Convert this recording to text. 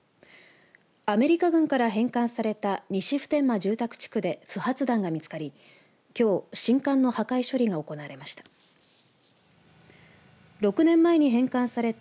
アメリカ軍から返還された西普天間住宅地区で不発弾が見つかり、きょう信管の破壊処理が行われました。